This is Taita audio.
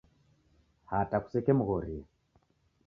Hata kusekemghoria.